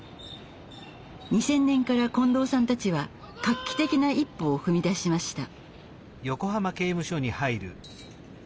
２０００年から近藤さんたちは画期的な一歩を踏み出しました。